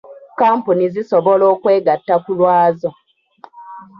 Kkampuni zisobola okwegatta ku lwazo.